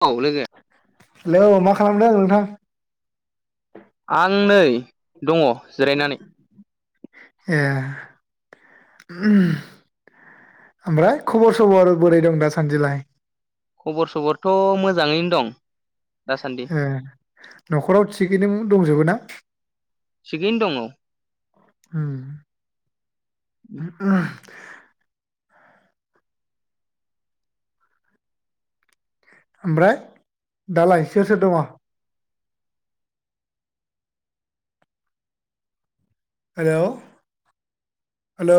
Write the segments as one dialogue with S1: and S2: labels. S1: औ लोगो
S2: हेलौ मा खालामदों नोंथां?
S1: आं नै दङ। जिरायनानै
S2: ए ओमफ्राय खबर सबर बोरै दं दासान्दिलाय?
S1: खबर सबरथ मोजाङैनो दं। दासान्दि
S2: ए नखराव थिगैनो दंजोबो ना?
S1: थिगैनो दङ औ
S2: ओम ओमफ्राय दालाय सोर सोर दङ? हेल हेल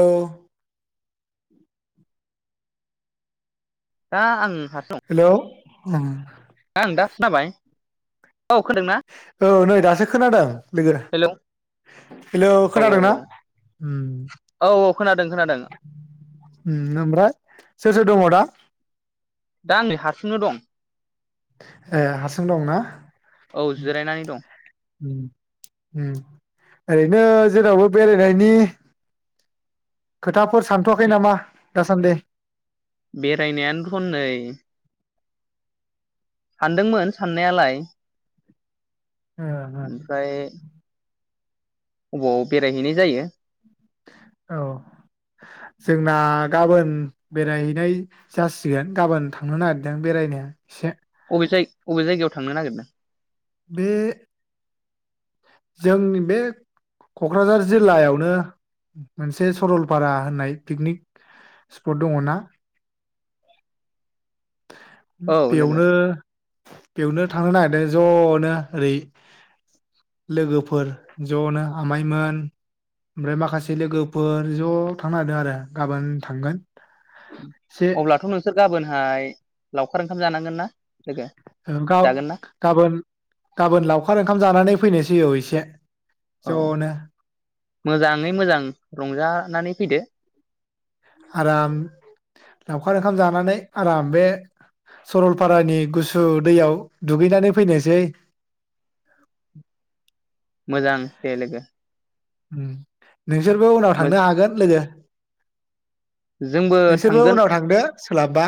S1: दा आं हारसिं दं
S2: हेल! [unintelligible]
S1: आं दा खोनाबाय औ खोनादों ना?
S2: औ नै दासो खोनादों लोगो हेल,
S1: औ औ
S2: खोनादोंना? उम
S1: औ औ खोनादों खोनादों
S2: उम ओमफ्राय सोर सोर दङ दा?
S1: दा आं नै हारसिंनो दं ।
S2: ए हारसिं दं ना
S1: औ जिरायनानै दं ।
S2: उम उम ओरैनो जेरावबो बेरायनायनि खोथा फोर सानथवाखै नामा? दासान्दि
S1: बेरायनायानोथनै सानदोंमोन साननायालाय
S2: ओ
S1: ओमफ्राय अबाव बेरायहैनाय जायो
S2: औ, जोंना गाबोन बेरायहैनाय जासिगोन । गाबोन थांनो नागिरदों बेरायनो इसे।
S1: अबे जाय् - अबे जायगायाव थांनो नागिरदों?
S2: बे जोंनि बे कक्राझार जिल्लायावनो मोनसे सरलपारा होननाय पिकनिक स्पट दङ ना
S1: औ लोगो
S2: बेयावनो बेवनो थांनो नागिरदों जनो ओरै लोगोफोर जनो आमायमोन ओमफ्राय माखासे लोगोफोर ज थांनो नागिदोंआरो गाबोन थांगोन एसे
S1: अब्लाथ नोंसोर गाबोनहाय लावखार ओंखाम जानांगोन ना लोगो जागोन ना
S2: गाव-गाबोन गाबोन लावखार ओंखाम जानानै फैनोसै जिउआव इसे
S1: औ, मोजाङै मोजां रंजा नानै फैदो
S2: आराम लावखार ओंखाम जानानै आराम बे सरलपारानि गुसु दैयाव दुगैनानै फैनोसै।
S1: मोजां दे लोगो
S2: उम नोंसोरबो उनाव थांनो हागोन लोगो।
S1: जोंबो
S2: नोंसोरबो
S1: थांगोन
S2: उनाव थांदो। सोलाबबा।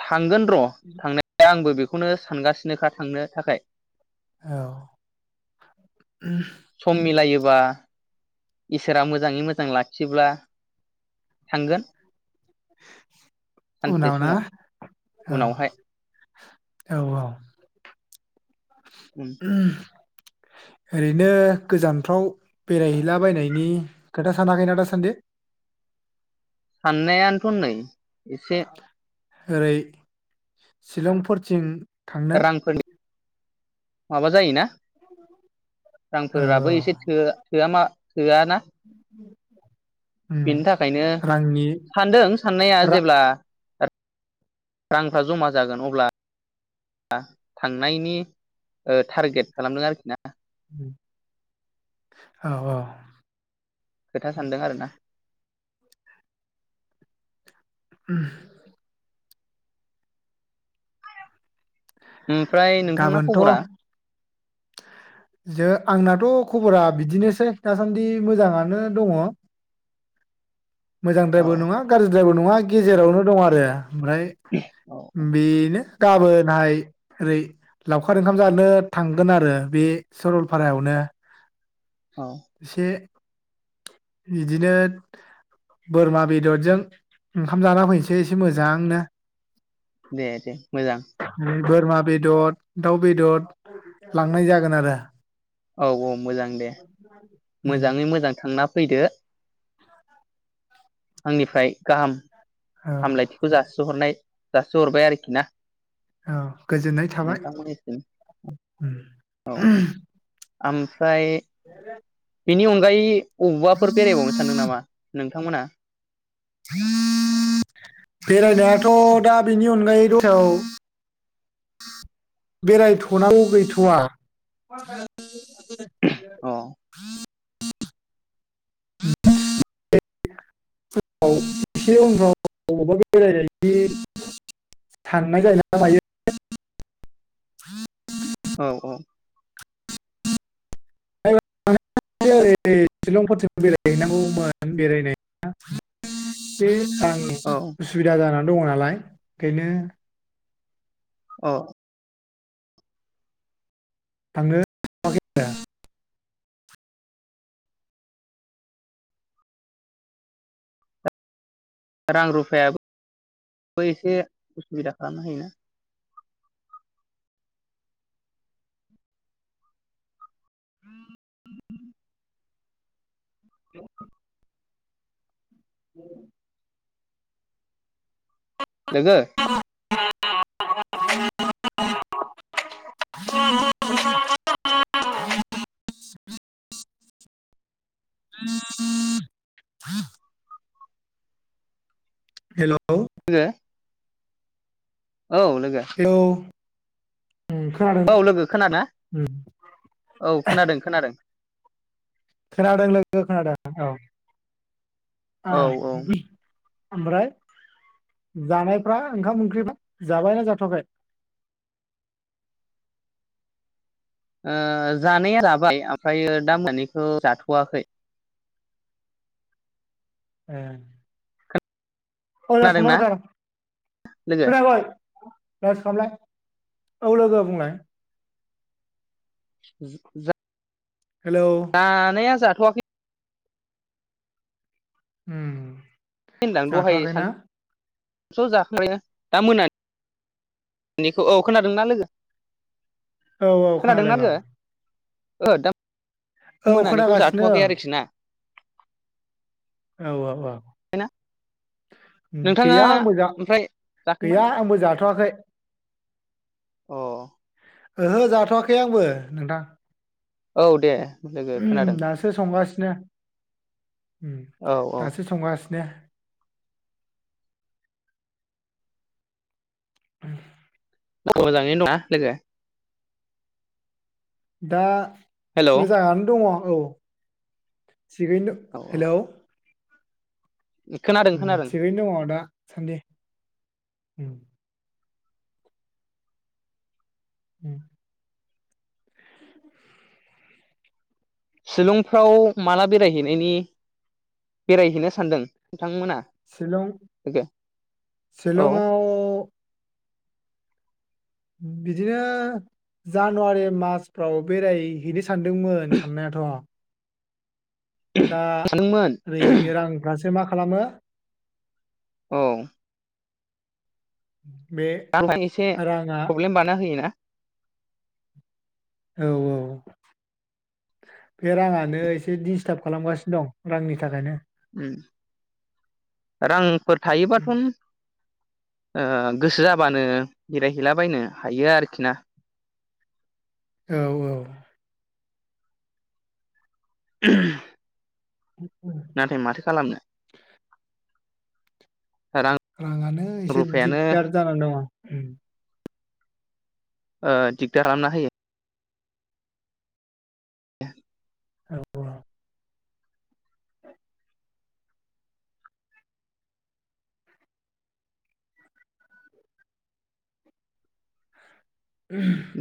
S1: थांगोन र' थांनाय आंबो बेखौ। बेखौनो सानगासिनोखा थांनो थाखाय।
S2: औ।
S1: सम मिलायो बा इसोरा मोजाङै मोजां लाखियोब्ला थांगोन। सानसे
S2: उनाव ना
S1: समाव
S2: औ
S1: उनावहाय
S2: औ औ उ। ओरैनो गोजानफ्राव बेरायहैलाबायनायनि खोथा सानाखैना दासान्दि?
S1: साननायानोथ' नै एसे।
S2: ओरै शिलंफोरथिं थांनो
S1: रां फोरनि। माबा जायोना।
S2: औ
S1: रांफोराबो एसे थो। थोआ मा होआ ना
S2: उम
S1: बेनि थाखायनो
S2: रांनि
S1: सानदों साननाया
S2: रा
S1: जेब्ला। रांफ्रा जमा जागोन अब्ला थांनायनि ओ टारगेट खालामदों आरोखि ना।
S2: औ औ
S1: खोथा सानदों आरोना।
S2: [unintelligible]
S1: ओमफ्राय नोंथांना खबरा?
S2: गाबोनथ' जो आंना थ' खबरा बिदिनोसै दासान्दि मोजाङानो दङ। मोजां
S1: औ
S2: द्रायबो नङा गाज्रि द्रायबो। नङा गेजेरावनो दं आरो। ओमफ्राय
S1: औ
S2: बेनो। गाबोनहाय ओरै लावखार ओंखाम जानो थांगोन आरो बे सरलपारायावनो।
S1: औ
S2: एसे। बिदिनो बोरमा बेदरजों ओंखाम जाना फैनोसै एसे मोजांनो।
S1: दे दे मोजां।
S2: ओरै बोरमा बेदर दाउ बेदर लांनाय जागोन आरो।
S1: औ औ मोजां दे
S2: उम
S1: मोजाङै मोजां थांना फैदो आंनिफ्राय गाहाम
S2: औ
S1: हामलायथिखौ जासिहरनाय जासि हरबाय आरोखि ना
S2: औ गोजोननाय थाबाय उम
S1: औ ओमफ्राय बेनि अनगायै अबबाफोर बेरायबावनो सानदों नामा नों थां मोना?
S2: बेरायनायाथ दा बेनि अनगायै दथायाव बेरायथनांगौ गैथवा [inaudible]
S1: अ
S2: [unintelligible]
S1: औ औ
S2: औ [unintelligible] शिलंफोरथिं बेरायहैनांगौमोन बेरायनाया बे आं
S1: औ
S2: उसुबिदा जानानै दङ' नालाय बेनो
S1: अ
S2: थांनो हाथ'याखै
S1: रां रुफाया बो एसे उसुबिदा खाना नोंना
S2: [inaudible] [inaudible] उम
S1: लोगो
S2: [unintelligible] [inaudible] हेल'
S1: [unintelligible] औ लोगो
S2: हेल' उम, खोनादों
S1: औ लोगो खोनाना
S2: उम,
S1: औ खोनादों खोनादों
S2: खोनादों लोगो खोनादों औ आ
S1: औ औ
S2: ओमफ्राय जानायफ्रा ओंखाम ओंख्रि जाबायना हाथ'याखै
S1: ओ जानाया जाबाय ओमफ्रायो दा मोनानिखौ जाथ'वाखै
S2: ओ [unintelligible] औ
S1: खोनादोंना लोगो?
S2: लोगो बुंलाय
S1: जा
S2: हेलौ
S1: जानाया जा थ'वाखि
S2: ओम
S1: होनदां दहाय सान [unintelligible] दा मोनानि बेनिखौ औ खोनादोंना लोगो?
S2: औ औ
S1: खोनादोंना
S2: खोनादों आं।
S1: लोगो ओ दा मोनानिखौ
S2: खोनागासिनो
S1: जाथ'वाखै आरोखि ना।
S2: औ औ औ।
S1: नोंथाङा
S2: गैया आंबो जा
S1: ओमफ्राय
S2: [inaudible]
S1: जाखांबाय
S2: गैया आंबो जाथ'वाखै।
S1: अ
S2: ओहो जाथ'वाखै आंबो नोंथां।
S1: औ दे लोगो
S2: उहुम,
S1: खोनादों
S2: दासो संगासिनो [inaudible] ओम
S1: औ औ
S2: दासो संगासिनो। [inaudible]
S1: मोजाङैनो दंना लोगो?
S2: दा
S1: हेलौ
S2: मोजाङानो दङ। औ थिगैनो
S1: औ
S2: हेलौ।
S1: औ खोनादों
S2: उम
S1: खोनादों
S2: थिगैनो दं दा। सानदि उम। उम
S1: शिलंफ्राव माला बेरायहैनायनि, बेरायहैनो सानदों? नोंथांमोना
S2: शिलं [inaudible]
S1: लोगो औ
S2: शिलंआव बिदिनो जानुवारि मार्चफ्राव बेरायहैनो सानदोंमोन साननायाथ'। दा
S1: सानदोंमोन
S2: ओरै रांफ्रासो मा खालामो।
S1: औ
S2: बे
S1: [unintelligible] एसे
S2: राङा
S1: प्रब्लेम बानायना होयोना।
S2: औ औ [inaudible] बे राङानो एसे डिस्टाब खालामगासिनो दं रांनि थाखायनो
S1: ओम रां फोर थायोबाथ'न ओ गोसो जाबानो बेरायहैलाबायनो हायो आरोखि ना।
S2: औ औ।
S1: [unintelligible]
S2: औ
S1: नाथाय माथो खालामनो। रां
S2: राङानो एसे
S1: रुफायानो
S2: दिगदार जाना दङ [unintelligible]
S1: ओ दिगदार खालामना होयो
S2: औ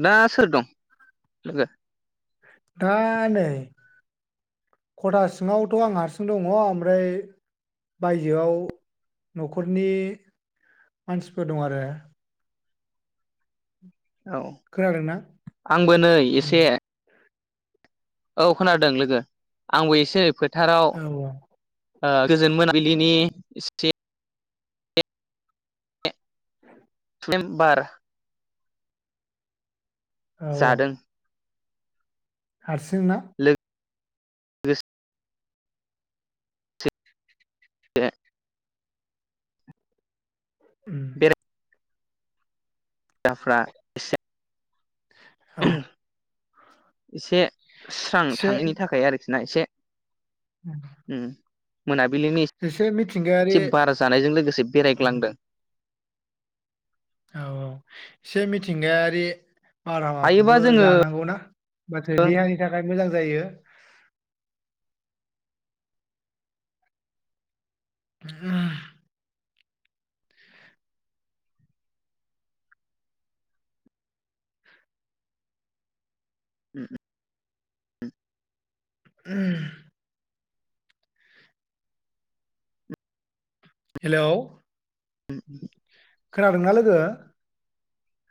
S1: दा सोर दं [unintelligible]
S2: दा नै खथा सिङावथ आं हारसिं दङ ओमफ्राय बायजोआव नखरनि मानसिफोर दं आरो
S1: औ
S2: खोनादोंना
S1: आंबो नै
S2: उम
S1: एसे औ खोनादों लोगो आंबो एसे ओै फो
S2: औ औ
S1: ओ गोजोन मोनाबिलिनि एसे
S2: [inaudible]
S1: सुदेम बार
S2: औ औ
S1: जादों
S2: हारसिंना
S1: [unintelligible] [unintelligible]
S2: उम
S1: ग्राफ्रा एसे
S2: औ
S1: एसे स्रां
S2: एसे
S1: थाङैनि थाखाय आरोखि ना इसे ओम मोनाबिलिनि एसे बार जानायजों लोगोसे बेरायग्लांदों
S2: औ औ एसे मिथिंगायारि
S1: हायोबा
S2: बारहावाखौबो
S1: जोङो
S2: जानांगौनाा माथो देहानि थाखाय मोजां जायो [unintelligible] [unintelligible]
S1: [unintelligible]
S2: [unintelligible] हेलौ
S1: उम उम
S2: खोनादोंना लोगो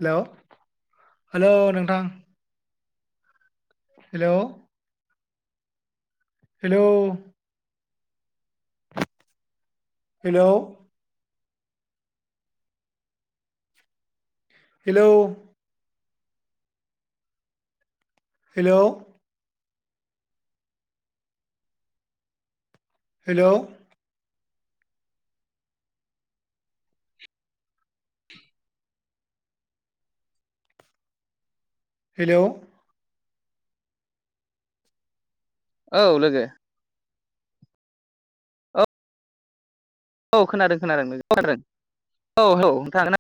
S2: हेलौ हेलौ नोंथां hello hello hello hello hello hello hello
S1: औ लोगो ओ औ खोनादों खोनादों नोंनि खोनादों औ औ नोंथां नोंना